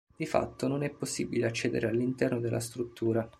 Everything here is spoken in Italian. Di fatto, non è possibile accedere all'interno della struttura.